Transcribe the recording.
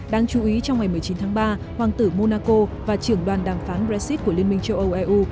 đáng chú ý trong ngày một mươi chín tháng ba hoàng tử monaco và trưởng đoàn đàm phán brexit của liên minh châu âu eu